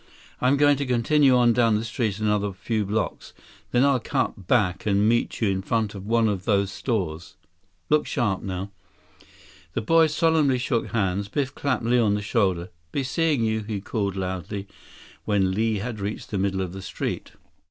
I'm going to continue on down the street another few blocks. Then I'll cut back and meet you in front of one of those stores. Look sharp, now." The boys solemnly shook hands. Biff clapped Li on the shoulder. "Be seeing you," he called loudly when Li had reached the middle of the street.